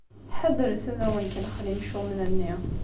Ḥadret ad awen-kellxen yimcumen-nni!